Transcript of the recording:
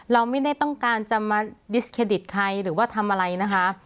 เราไม่ได้ต้องการจะมาดิสเครดิตใครหรือว่าทำอะไรนะคะ